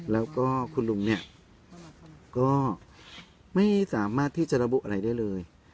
แล้วก็คุณลุงเนี่ยก็ไม่สามารถที่จะระบุอะไรได้เลย